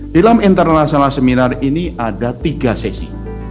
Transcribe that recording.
dalam internasional seminar ini ada tiga sesi